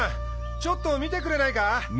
ちょっと見てくれないか？